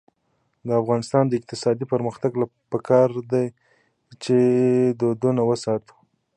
د افغانستان د اقتصادي پرمختګ لپاره پکار ده چې دودونه وساتو.